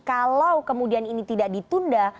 kalau kemudian ini tidak ditunda